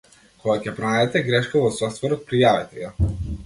Кога ќе пронајдете грешка во софтверот, пријавете ја.